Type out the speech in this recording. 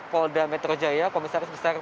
polda metro jaya komisaris besar